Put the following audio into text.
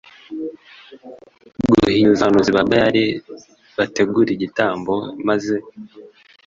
guhinyuza Abahanuzi ba Bayali bategure igitambo maze